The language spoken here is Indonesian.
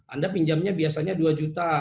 anda pinjamnya biasanya dua juta